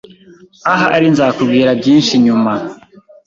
Ahari nzakubwira byinshi nyuma.